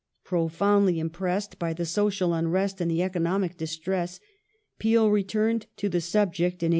Profoundly impressed by the social unrest and the economic distress Peel re turned to the subject in 1842.